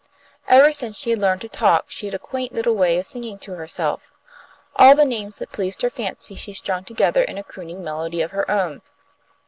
Ever since she had learned to talk she had a quaint little way of singing to herself. All the names that pleased her fancy she strung together in a crooning melody of her own.